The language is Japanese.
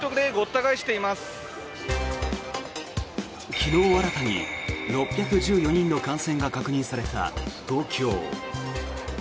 昨日、新たに６１４人の感染が確認された東京。